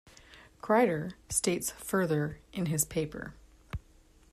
Grider states further in his paper ...